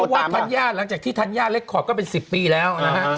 เพราะว่าธัญญาหลังจากที่ธัญญาเล็กขอบก็เป็น๑๐ปีแล้วนะฮะ